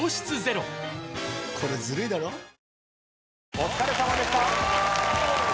お疲れさまでした。